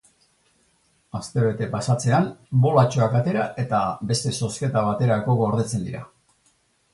Astebete pasatzean, bolatxoak atera eta beste zozketa baterako gordetzen dira.